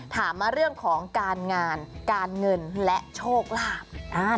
ถามมาเรื่องของการงานการเงินและโชคลาภ